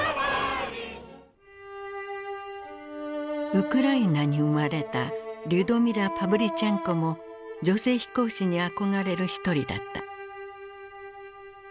ウクライナに生まれたリュドミラ・パヴリチェンコも女性飛行士に憧れる一人だった。